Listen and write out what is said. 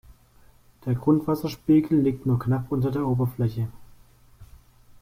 Der Grundwasserspiegel liegt nur knapp unter der Oberfläche.